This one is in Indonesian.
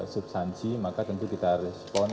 substansi maka tentu kita respon